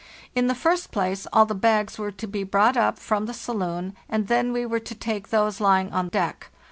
In the first place, all the bags were to be brought up from the saloon, and then we were to take those lying on deck.